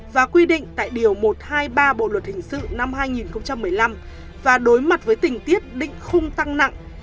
và quy định tại điều một trăm hai mươi ba bộ luật hình sự năm hai nghìn một mươi năm và đối mặt với tình tiết định khung tăng nặng